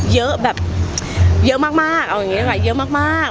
เยอะแบบเยอะมากมากเอาอย่างงี้ด้วยก่อนอ่ะเยอะมากมาก